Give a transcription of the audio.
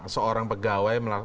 seorang pegawai melakukan